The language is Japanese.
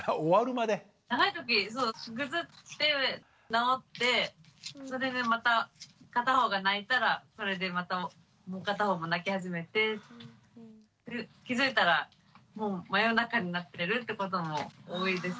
長いときぐずって直ってそれでまた片方が泣いたらそれでまたもう片方も泣き始めて気付いたらもう真夜中になってるってことも多いです。